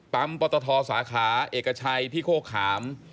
ปตทสาขาเอกชัยที่โคขาม